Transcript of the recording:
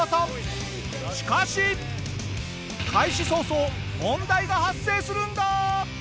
しかし開始早々問題が発生するんだ！